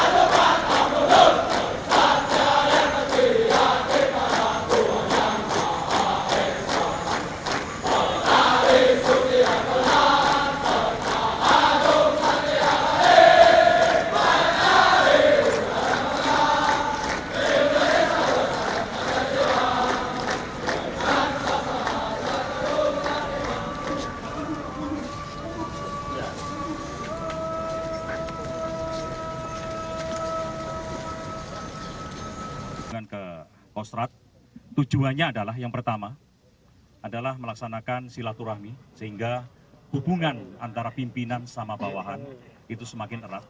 tujuan ke kostrad tujuannya adalah yang pertama adalah melaksanakan silaturahmi sehingga hubungan antara pimpinan sama bawahan itu semakin erat